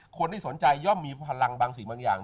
คนที่สนใจย่อมมีพลังบางสิ่งบางอย่าง